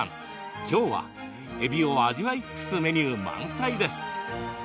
きょうは、えびを味わい尽くすメニュー満載です。